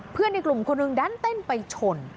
ในกลุ่มคนหนึ่งดันเต้นไปชน